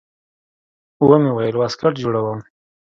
ومې ويل واسکټ جوړوم.